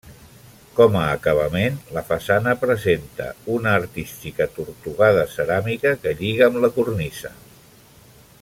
Com a acabament, la façana presenta una artística tortugada ceràmica que lliga amb la cornisa.